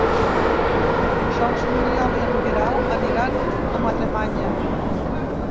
Dijous n'Oriol i en Guerau aniran a Madremanya.